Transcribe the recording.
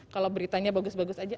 kalau beritanya bagus bagus aja